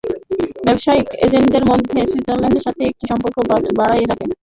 ব্যবসায়িক এজেন্টদের মাধ্যমে সুইজারল্যান্ডের সাথেও এটি সম্পর্ক বজায় রাখে।